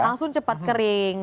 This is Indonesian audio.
langsung cepat kering